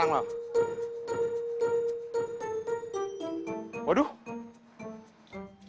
jangan lampu dulu